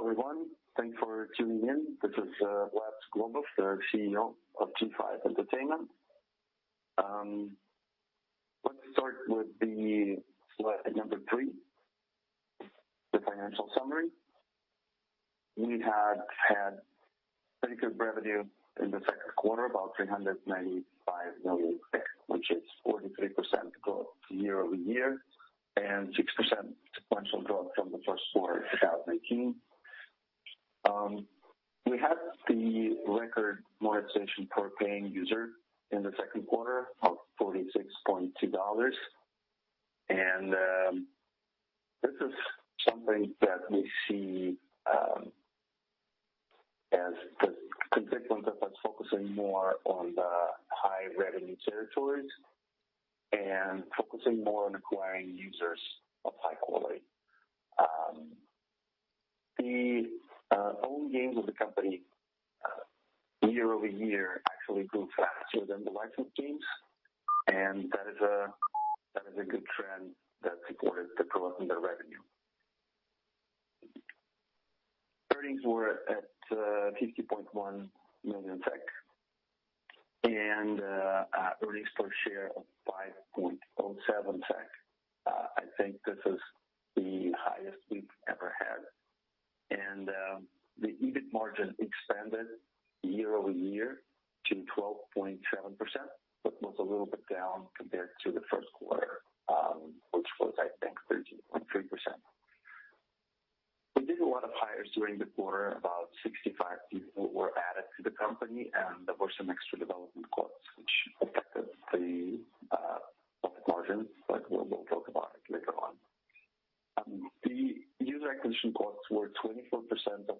Hello, everyone. Thanks for tuning in. This is Vlad Suglobov, the CEO of G5 Entertainment. Let's start with slide number three, the financial summary. We had record revenue in the second quarter, about 395 million SEK, which is 43% growth year-over-year and 6% sequential growth from the first quarter of 2018. We had the record monetization per paying user in the second quarter of $46.2. This is something that we see as the consequence of us focusing more on the high-revenue territories and focusing more on acquiring users of high quality. The own games of the company year-over-year actually grew faster than the licensed games, and that is a good trend that supported the growth in the revenue. Earnings were at 50.1 million SEK and earnings per share of 5.07 SEK. I think this is the highest we've ever had. The EBIT margin expanded year-over-year to 12.7%, but was a little bit down compared to the first quarter, which was, I think, 13.3%. We did a lot of hires during the quarter. About 65 people were added to the company, and there were some extra development costs, which affected the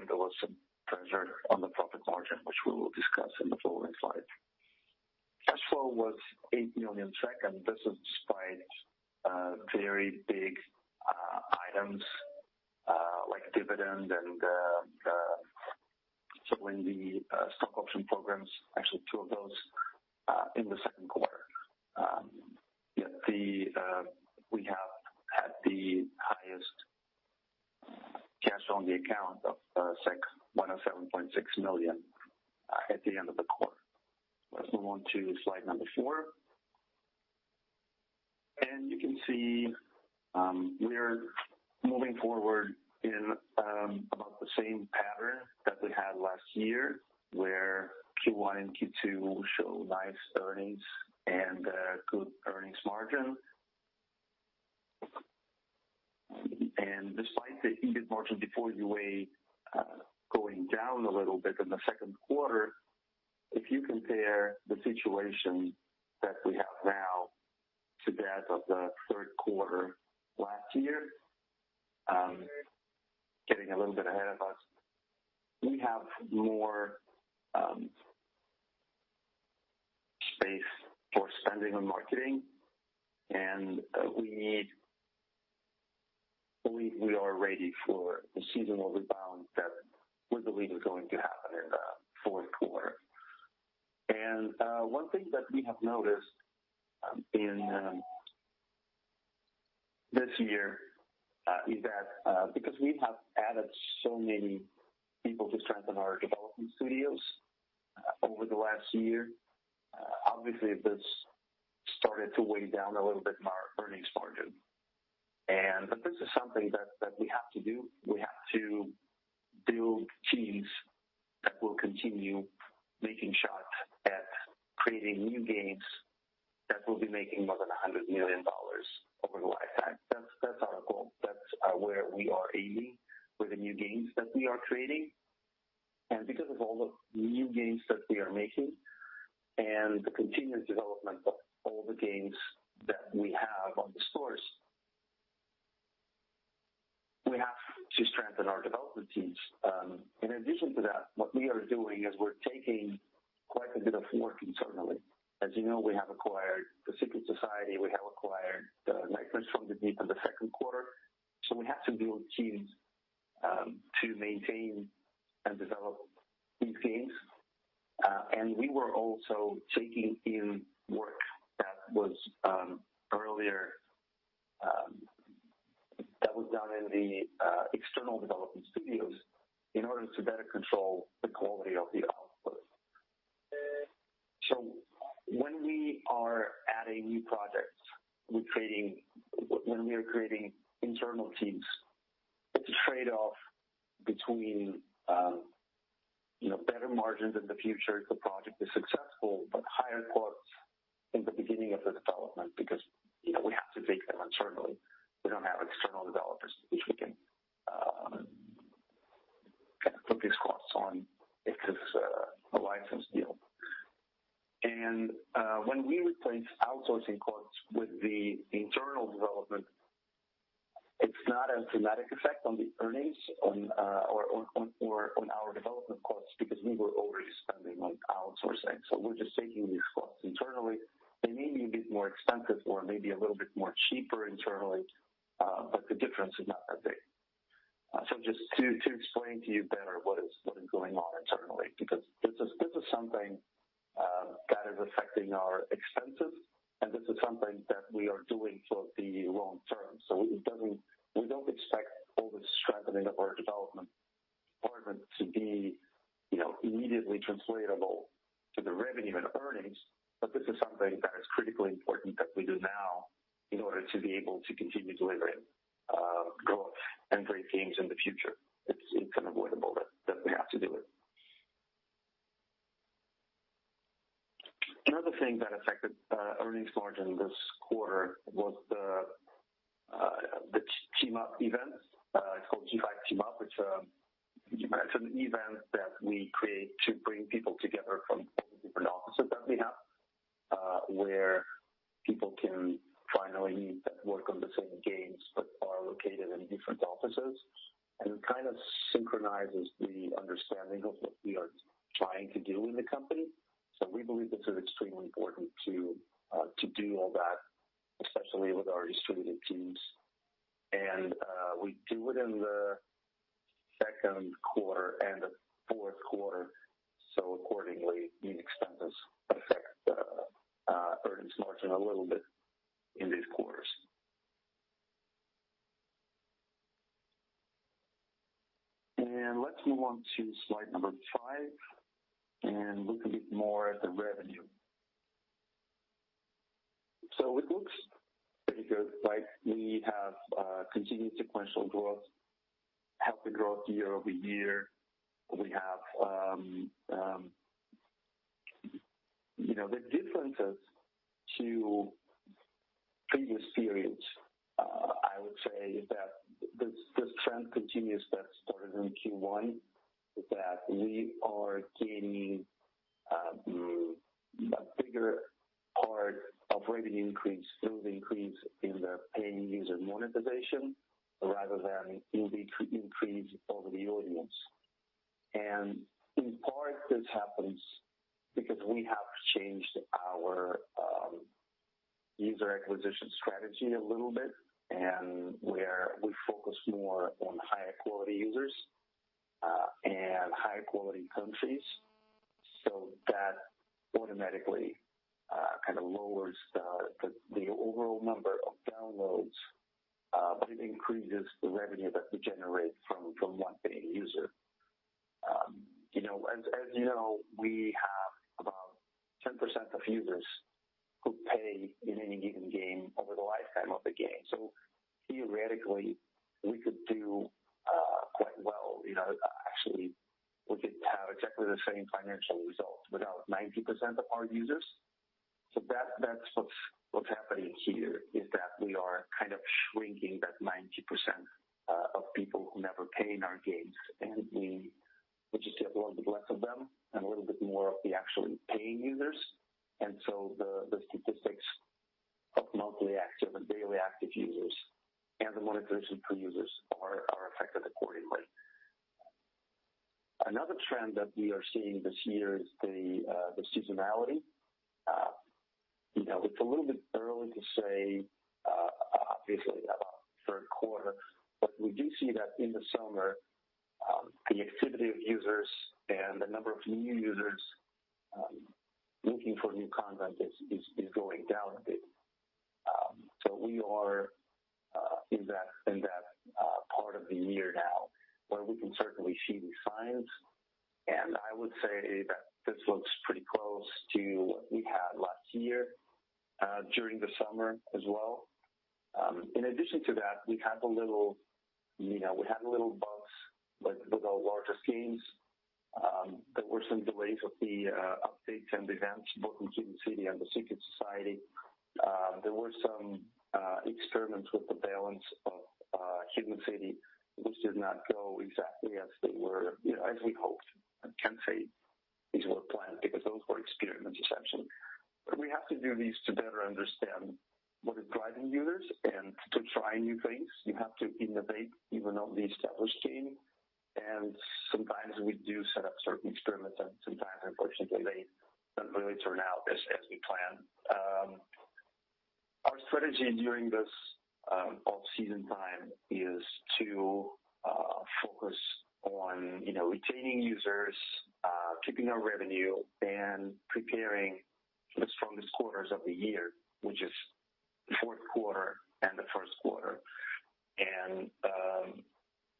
profit margin, but we'll talk about it later on. The user acquisition costs were 24% of revenue, which is 2 percentage points lower than 26%, which we had a year ago. I think this just shows that the model is sustainable, that we're able to generate growth even with lower user acquisition expenses, and all good on this front. EBIT margin before UA costs was 37%, which was a little bit down from the first quarter. Again, there was some pressure on the profit margin, which we will discuss in the following slide. Cash flow was 8 million SEK, and this is despite very big items like dividend and settling the stock option programs, actually two of those, in the second quarter. Yet we have had the highest cash on the account of 107.6 million at the end of the quarter. Let's move on to slide number four. You can see we're moving forward in about the same pattern that we had last year, where Q1 and Q2 show nice earnings and good earnings margin. Despite the EBIT margin before UA going down a little bit in the second quarter, if you compare the situation that we have now to that of the third quarter last year, getting a little bit ahead of us, we have more space for spending on marketing, and we believe we are ready for the seasonal rebound that we believe is going to happen in the fourth quarter. One thing that we have noticed in this year is that because we have added so many people to strengthen our development studios over the last year, obviously, this started to weigh down a little bit on our earnings margin. This is something that we have to do. We have to build teams that will continue making shots at creating new games that will be making more than $100 million over the lifetime. That's our goal. That's where we are aiming with the new games that we are creating. Because of all the new games that we are making and the continuous development of all the games that we have on the stores, we have to strengthen our development teams. In addition to that, what we are doing is we're taking quite a bit of work internally. As you know, we have acquired The Secret Society, we have acquired Nightmares from the Deep in the second quarter. We have to build teams to maintain and develop these games. We were also taking in work that was done in the external development studios in order to better control the quality of the output. When we are adding new projects, when we are creating internal teams, it's a trade-off between better margins in the future if the project is successful, but higher costs in the beginning of the development, because we have to take them internally. We don't have external developers, which we can kind of put these costs on if it's a licensed deal. When we replace outsourcing costs with the internal development, it's not a dramatic effect on the earnings or on our development costs because we were overspending on outsourcing. We're just taking these costs internally. They may be a bit more expensive or maybe a little bit more cheaper internally, but the difference is not that big. Just to explain to you better what is going on internally, because this is something that is affecting our expenses, and this is something that we are doing for the long term. We don't expect all the strengthening of our development department to be immediately translatable to the revenue and earnings, but this is something that is critically important that we do now in order to be able to continue delivering growth and great games in the future. It's unavoidable that we have to do it. Another thing that affected earnings margin this quarter was the team up events. It's called G5 Team Up, which it's an event that we create to bring people together from all the different offices that we have, where people can finally meet that work on the same games but are located in different offices and kind of synchronizes the understanding of what we are trying to do in the company. We believe this is extremely important to do all that, especially with our distributed teams. We do it in the second quarter and the fourth quarter, accordingly, these expenses affect the earnings margin a little bit in these quarters. Let's move on to slide number five and look a bit more at the revenue. It looks pretty good, right? We have continued sequential growth, healthy growth year-over-year. The differences to previous periods, I would say that this trend continues that started in Q1, that we are gaining a bigger part of revenue increase through the increase in the paying user monetization rather than increase of the audience. In part, this happens because we have changed our user acquisition strategy a little bit, and we focus more on higher quality users and higher quality countries. That automatically kind of lowers the overall number of downloads, but it increases the revenue that we generate from one paying user. As you know, we have about 10% of users who pay in any given game over the lifetime of the game. Theoretically, we could do quite well, actually, we could have exactly the same financial results without 90% of our users. That's what's happening here is that we are kind of shrinking that 90% of people who never pay in our games, and we just have a little bit less of them and a little bit more of the actual paying users. The statistics of monthly active and daily active users and the monetization per users are affected accordingly. Another trend that we are seeing this year is the seasonality. It's a little bit early to say, obviously, about the third quarter, but we do see that in the summer, the activity of users and the number of new users looking for new content is going down a bit. We are in that part of the year now where we can certainly see these signs, and I would say that this looks pretty close to what we had last year during the summer as well. In addition to that, we had a little bumps with our larger games. There were some delays with the updates and events, both in Hidden City and The Secret Society. There were some experiments with the balance of Hidden City, which did not go exactly as we hoped. I can't say these were planned because those were experiments, essentially. We have to do these to better understand what is driving users and to try new things. You have to innovate even on the established game, and sometimes we do set up certain experiments, and sometimes, unfortunately, they don't really turn out as we plan. Our strategy during this off-season time is to focus on retaining users, keeping our revenue, and preparing for the strongest quarters of the year, which is the fourth quarter and the first quarter.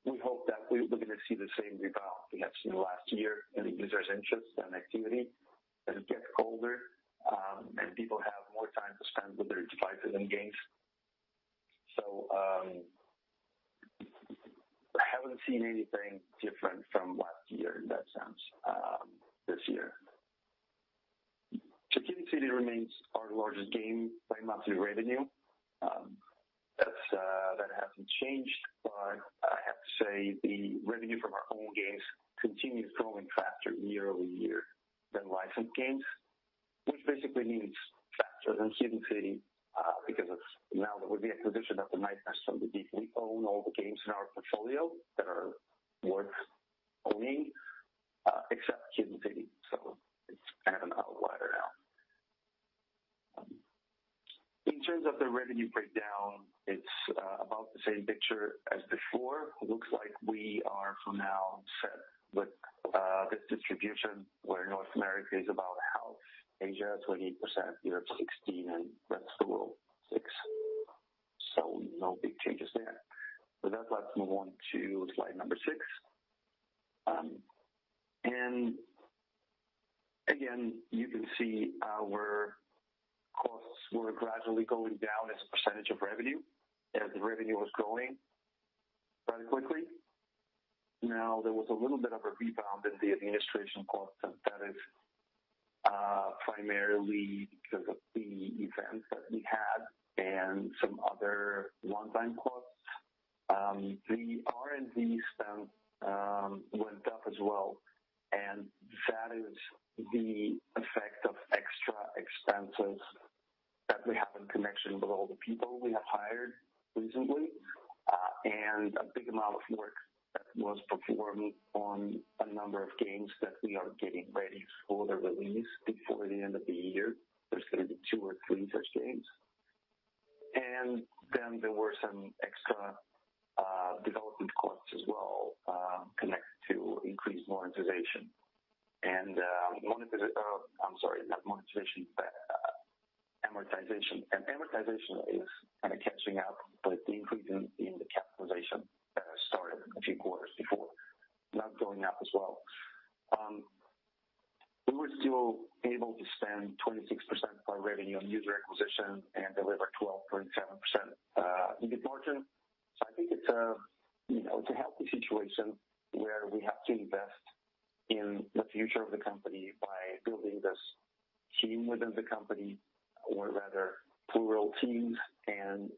We hope that we're going to see the same rebound we have seen last year in users' interest and activity as it gets colder and people have more time to spend with their devices and games. I haven't seen anything different from last year in that sense this year. Hidden City remains our largest game by monthly revenue. Changed, but I have to say the revenue from our own games continues growing faster year-over-year than licensed games, which basically means faster than Hidden City, because now with the acquisition of Nightmares from the Deep from, [inaudible] we own all the games in our portfolio that are worth owning, except Hidden City. It's kind of an outlier now. In terms of the revenue breakdown, it's about the same picture as before. It looks like we are for now set with this distribution, where North America is about half, Asia 28%, Europe 16%, and rest of the world 6%. No big changes there. With that, let's move on to slide number six. Again, you can see our costs were gradually going down as a percentage of revenue, as revenue was growing very quickly. There was a little bit of a rebound in the administration costs, and that is primarily because of the events that we had and some other one-time costs. The R&D spend went up as well, and that is the effect of extra expenses that we have in connection with all the people we have hired recently. A big amount of work that was performed on a number of games that we are getting ready for the release before the end of the year. There's going to be two or three such games. Then there were some extra development costs as well, connected to increased monetization. Monetization, I'm sorry, not monetization, but amortization. Amortization is kind of catching up with the increase in the capitalization that started a few quarters before. That's going up as well. We were still able to spend 26% of our revenue on user acquisition and deliver 12.7% EBIT margin. I think it's a healthy situation where we have to invest in the future of the company by building this team within the company, or rather plural teams, and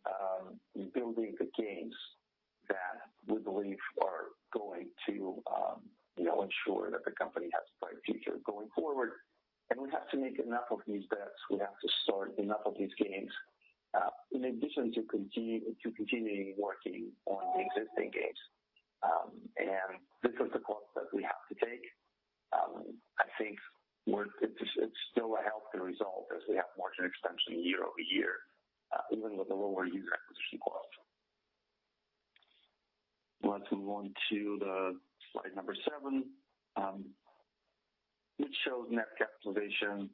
building the games that we believe are going to ensure that the company has a bright future going forward. We have to make enough of these bets. We have to start enough of these games, in addition to continuing working on the existing games. This is a course that we have to take. I think it's still a healthy result as we have margin expansion year-over-year, even with the lower user acquisition costs. Let's move on to the slide number seven, which shows net capitalization.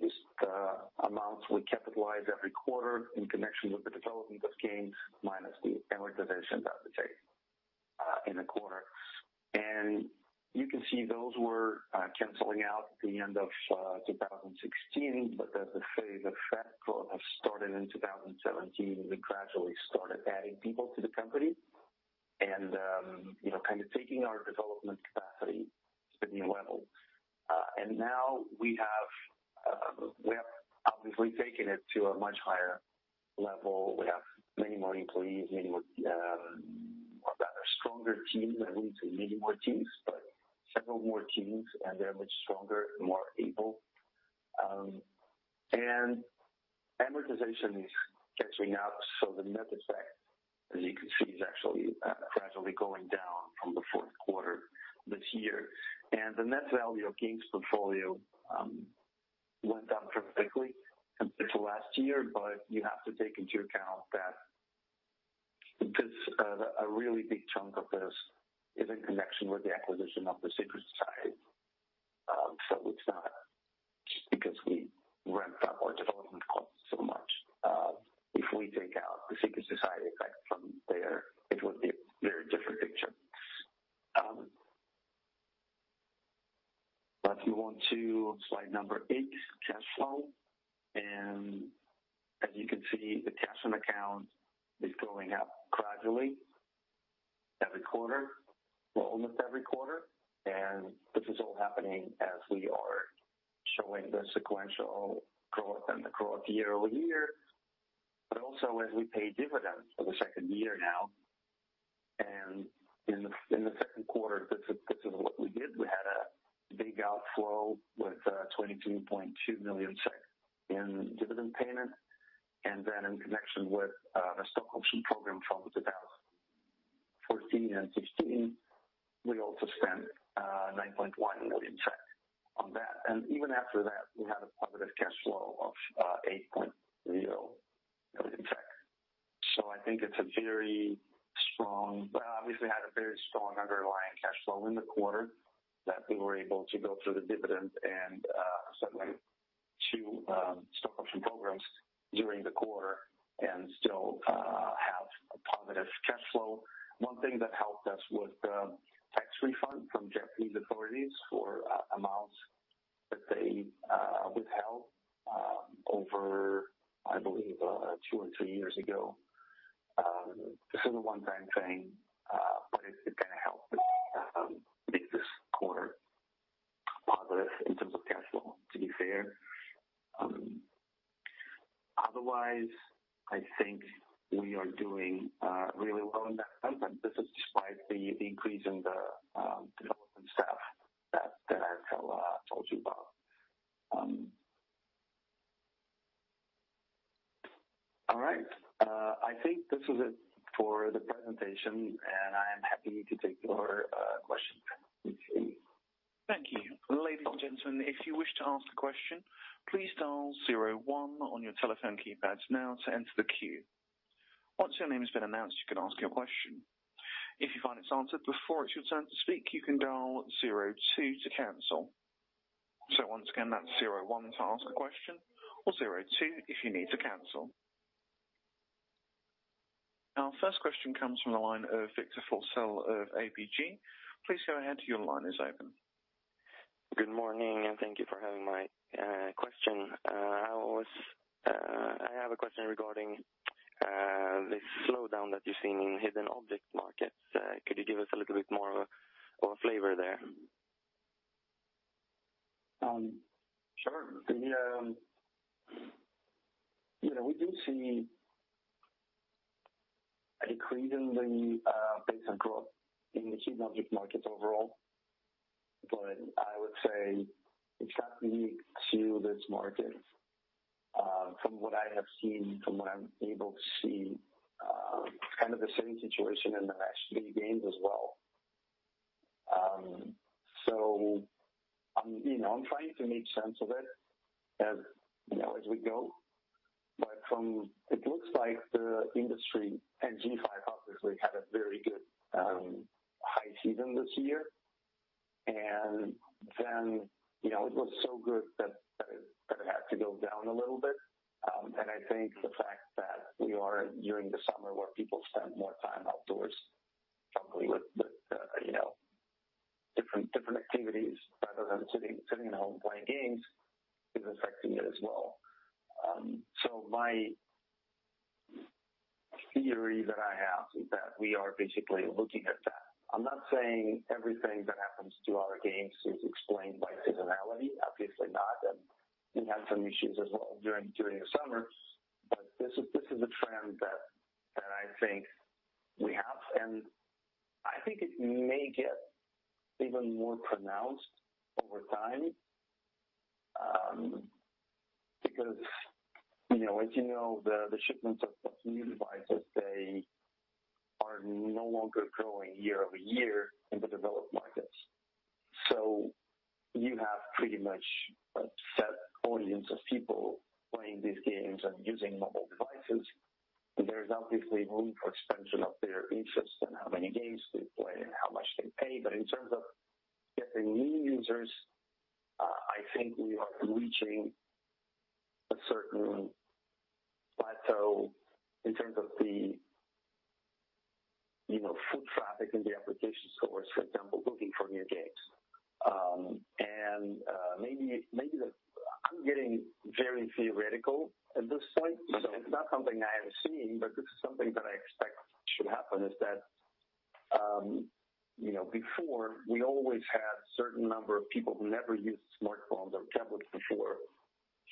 This is the amounts we capitalize every quarter in connection with the development of games, minus the amortization that we take in the quarter. You can see those were canceling out at the end of 2016. As I say, the effect of have started in 2017 as we gradually started adding people to the company and kind of taking our development capacity to the new level. Now we have obviously taken it to a much higher level. We have many more employees, many more, or rather stronger teams. I wouldn't say many more teams, but several more teams, and they're much stronger and more able. Amortization is catching up. The net effect, as you can see, is actually gradually going down from the fourth quarter this year. The net value of games portfolio went up dramatically compared to last year. You have to take into account that a really big chunk of this is in connection with the acquisition of The Secret Society. It's not just because we ramped up our development costs so much. If we take out The Secret Society effect from there, it would be a very different picture. Let's move on to slide number eight, cash flow. As you can see, the cash on account is going up gradually every quarter. Well, almost every quarter. This is all happening as we are showing the sequential growth and the growth year-over-year, but also as we pay dividends for the second year now. In the second quarter, this is what we did. We had a big outflow with 22.2 million in dividend payment. Then in connection with the stock option program from 2014 and 2016, we also spent 9.1 million on that. Even after that, we had a positive cash flow of 8.0 million. I think it's a very strong. Obviously had a very strong underlying cash flow in the quarter that we were able to go through the dividend and settlement to stock option programs during the quarter and still have a positive cash flow. One thing that helped us was the tax refund from Japanese authorities for amounts that they withheld over, I believe, two or three years ago. This is a one-time thing. But it kind of helped us there. Otherwise, I think we are doing really well in that sense, and this is despite the increase in the development staff that I told you about. All right. I think this is it for the presentation, and I am happy to take your questions now. Thank you. Ladies and gentlemen, if you wish to ask a question, please dial 01 on your telephone keypads now to enter the queue. Once your name has been announced, you can ask your question. If you find it's answered before it's your turn to speak, you can dial 02 to cancel. So once again, that's 01 to ask a question or 02 if you need to cancel. Our first question comes from the line of Viktor Forsell of ABG. Please go ahead. Your line is open. Good morning, and thank you for having my question. I have a question regarding this slowdown that you're seeing in hidden object markets. Could you give us a little bit more of a flavor there? Sure. We do see a decrease in the pace of growth in the hidden object markets overall. I would say it's not unique to this market. From what I have seen, from what I'm able to see, kind of the same situation in the match-3 games as well. I'm trying to make sense of it as we go. It looks like the industry and G5 obviously had a very good high season this year, and then it was so good that it had to go down a little bit. I think the fact that we are during the summer where people spend more time outdoors probably with different activities rather than sitting at home playing games is affecting it as well. My theory that I have is that we are basically looking at that. I'm not saying everything that happens to our games is explained by seasonality, obviously not, and we had some issues as well during the summer. This is a trend that I think we have, and I think it may get even more pronounced over time, because as you know, the shipments of new devices, they are no longer growing year-over-year in the developed markets. You have pretty much a set audience of people playing these games and using mobile devices, and there is obviously room for expansion of their interest and how many games they play and how much they pay. In terms of getting new users, I think we are reaching a certain plateau in terms of the foot traffic in the application stores, for example, looking for new games. Maybe I'm getting very theoretical at this point. It's not something I have seen, but this is something that I expect should happen, is that before, we always had certain number of people who never used smartphones or tablets before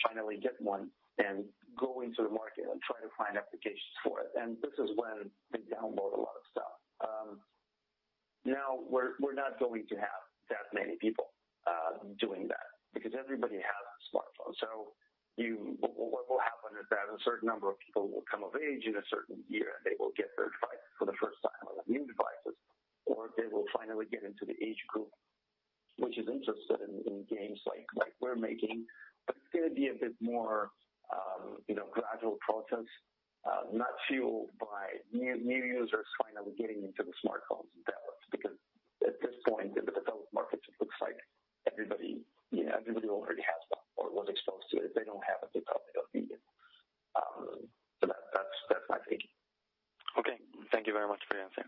finally get one and go into the market and try to find applications for it, and this is when they download a lot of stuff. Now, we're not going to have that many people doing that because everybody has a smartphone. What will happen is that a certain number of people will come of age in a certain year, and they will get their device for the first time or new devices, or they will finally get into the age group which is interested in games like we're making. It's going to be a bit more gradual process, not fueled by new users finally getting into the smartphones in developed because at this point in the developed markets, it looks like everybody already has one or was exposed to it. If they don't have it, they probably don't need it. That's my thinking. Okay. Thank you very much for your answer.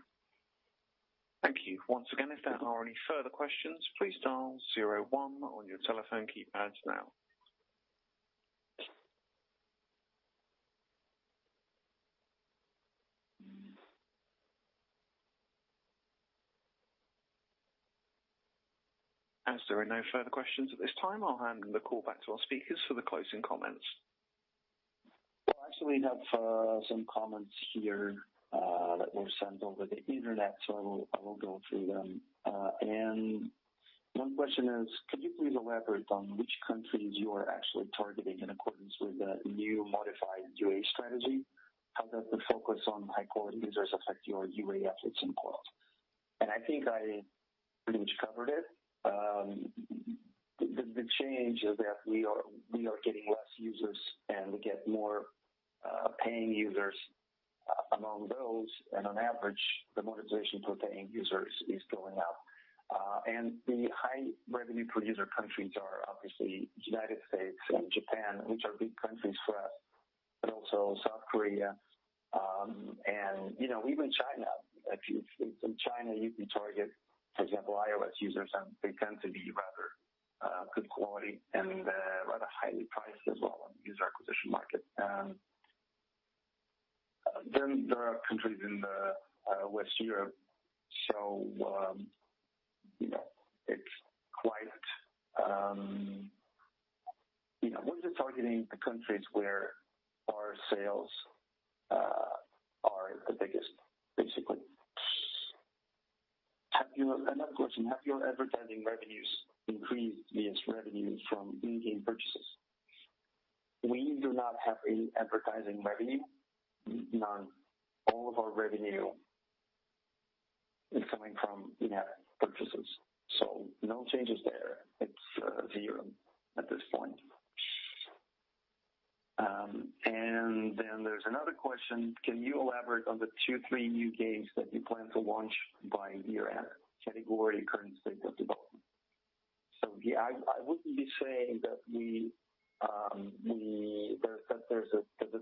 Thank you. Once again, if there are any further questions, please dial 01 on your telephone keypads now. As there are no further questions at this time, I'll hand the call back to our speakers for the closing comments. Actually, I have some comments here that were sent over the Internet, so I will go through them. One question is, could you please elaborate on which countries you are actually targeting in accordance with the new modified UA strategy? How does the focus on high-quality users affect your UA efforts in growth? I think I pretty much covered it. The change is that we are getting less users, and we get more paying users among those, and on average, the monetization per paying users is going up. The high revenue per user countries are obviously U.S. and Japan, which are big countries for us, but also South Korea, and even China. In China, you can target, for example, iOS users, and they tend to be rather good quality and rather highly priced as well on the user acquisition market. There are countries in West Europe. We're just targeting the countries where our sales are the biggest, basically. Another question, have your advertising revenues increased these revenues from in-game purchases? We do not have any advertising revenue. None. All of our revenue is coming from in-app purchases, so no changes there. It's zero at this point. Then there's another question, can you elaborate on the two, three new games that you plan to launch by year-end? Category, current state of development. Yeah, I wouldn't be saying that the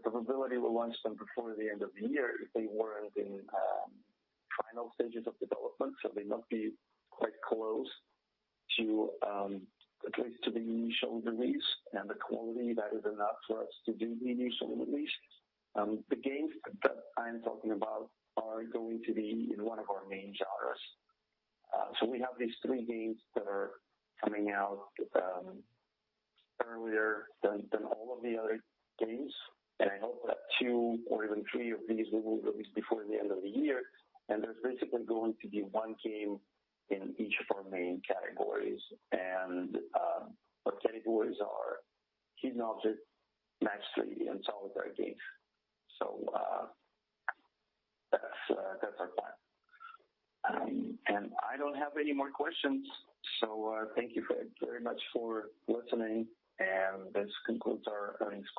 probability we'll launch them before the end of the year if they weren't in final stages of development. They must be quite close at least to the initial release and the quality that is enough for us to do the initial release. The games that I'm talking about are going to be in one of our main genres. We have these three games that are coming out earlier than all of the other games, and I hope that two or even three of these will release before the end of the year. There's basically going to be one game in each of our main categories. Our categories are hidden object, match three, and solitaire games. That's our plan. I don't have any more questions. Thank you very much for listening, and this concludes our earnings call.